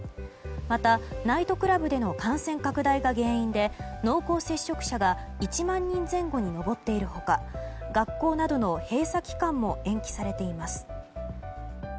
また、ナイトクラブでの感染拡大が原因で濃厚接触者が１万人前後に上っている他学校などの閉鎖期間も延期されています。